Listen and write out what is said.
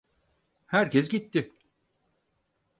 Herkes gitti.